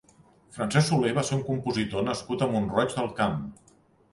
Francesc Soler va ser un compositor nascut a Mont-roig del Camp.